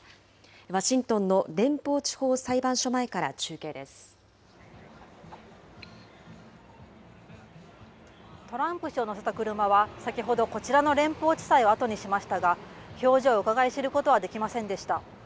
ワシントンの連邦地方裁判所前かトランプ氏を乗せた車は、先ほどこちらの連邦地裁を後にしましたが、表情をうかがい知ることはできませんでした。